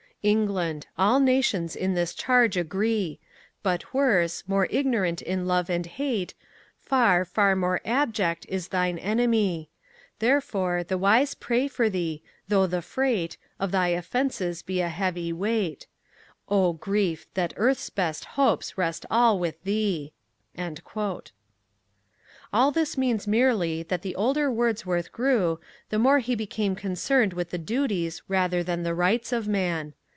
England! all nations in this charge agree: But worse, more ignorant in love and hate, Far, far more abject is thine Enemy: Therefore the wise pray for thee, though the freight Of thy offences be a heavy weight: Oh grief, that Earth's best hopes rest all with Thee! All this means merely that the older Wordsworth grew, the more he became concerned with the duties rather than the rights of man.